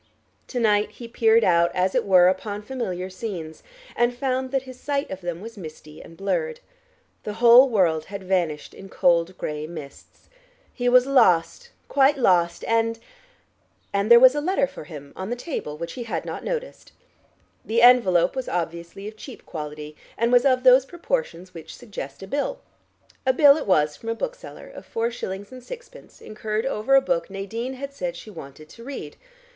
To night he peered out, as it were upon familiar scenes, and found that his sight of them was misty and blurred. The whole world had vanished in cold gray mists. He was lost, quite lost, and ... and there was a letter for him on the table which he had not noticed. The envelope was obviously of cheap quality, and was of those proportions which suggest a bill. A bill it was from a bookseller, of four shillings and sixpence, incurred over a book Nadine had said she wanted to read.